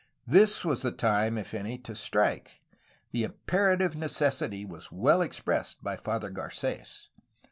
This was the time, if any, to strike! The imperative necessity was well expressed by Father Garces.